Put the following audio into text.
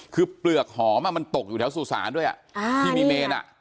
คือเปลือกหอมอ่ะมันตกอยู่แถวสุสานด้วยอ่ะอ่าที่มีเมนอ่ะ